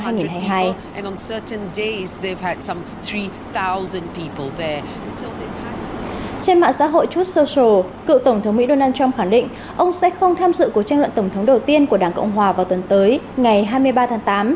trên mạng xã hội truth social cựu tổng thống mỹ donald trump khẳng định ông sẽ không tham dự cuộc tranh luận tổng thống đầu tiên của đảng cộng hòa vào tuần tới ngày hai mươi ba tháng tám